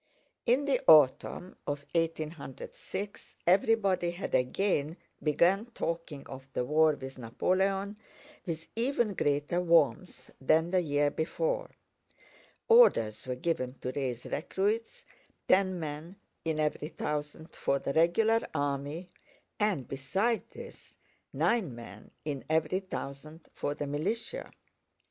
In the autumn of 1806 everybody had again begun talking of the war with Napoleon with even greater warmth than the year before. Orders were given to raise recruits, ten men in every thousand for the regular army, and besides this, nine men in every thousand for the militia.